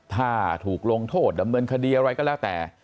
ถ้าถูกลงโทษดำเนินคดีอะไรก็แล้วแต่